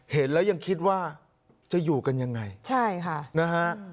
เห็นแล้วยังคิดว่าจะอยู่กันยังไงใช่ค่ะนะฮะ